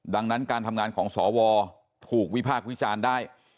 ดังนั้นการทำงานของสวถูกวิพากษ์วิจารณ์ได้